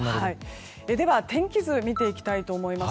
では、天気図見ていきたいと思います。